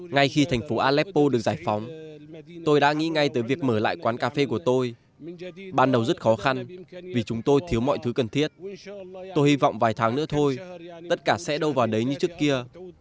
ngay khi thành phố aleppo được giải phóng tôi đã nghĩ ngay tới việc mở lại quán cà phê của tôi ban đầu rất khó khăn vì chúng tôi thiếu mọi thứ cần thiết tôi hy vọng vài tháng nữa thôi tất cả sẽ đâu vào đấy như trước kia